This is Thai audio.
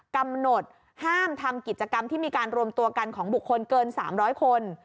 กำหนดห้ามทำกิจกรรมที่มีการรวมตัวกันของบุคคลเกิน๓๐๐คน